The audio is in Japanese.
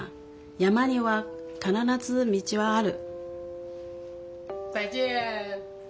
「山には必ず道はある」。